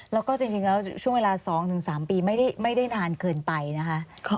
แล้วก็จริงแล้วช่วงเวลา๒๓ปีไม่ได้นานเกินไปนะคะ